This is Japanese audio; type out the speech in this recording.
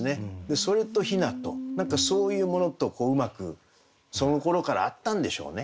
それと雛と何かそういうものとうまくそのころからあったんでしょうね。